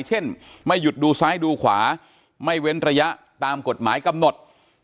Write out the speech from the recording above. เช่นไม่หยุดดูซ้ายดูขวาไม่เว้นระยะตามกฎหมายกำหนด